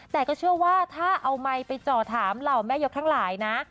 แต่ก็เชื่อว่าถ้าเอาไมค์ไปจ่อถามเหล่าแม่ยกทั้งหลายนะ